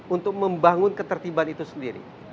untuk membangun ketertiban itu sendiri